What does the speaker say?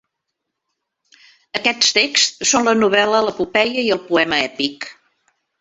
Aquests texts són la novel·la, l'epopeia i el poema èpic.